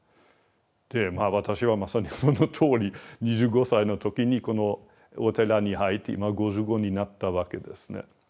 で私はそのとおり２５歳の時にこのお寺に入って今５５になったわけですね。